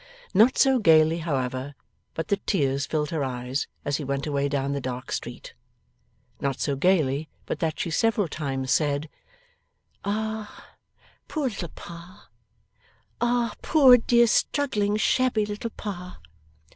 Not so gaily, however, but that tears filled her eyes as he went away down the dark street. Not so gaily, but that she several times said, 'Ah, poor little Pa! Ah, poor dear struggling shabby little Pa!